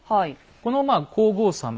この皇后さま